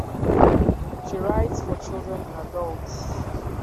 She writes for children and adults.